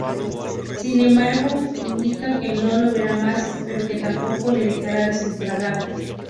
Sin embargo, indica que no la verá más, pero que tampoco la dejará desamparada.